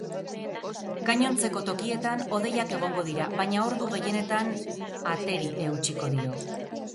Gainontzeko tokietan hodeiak egongo dira, baina ordu gehienetan ateri eutsiko dio.